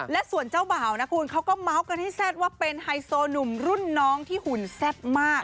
และส่วนเจ้าบ่าวนะคุณเขาก็เมาส์กันให้แซ่บว่าเป็นไฮโซหนุ่มรุ่นน้องที่หุ่นแซ่บมาก